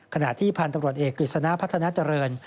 ขณะที่พันธุ์ตำรวจเอกกฤษณะพัฒนาเจริญ